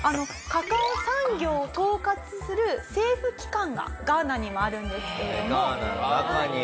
カカオ産業を統括する政府機関がガーナにもあるんですけれども。